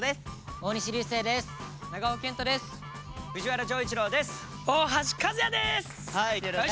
大橋和也です！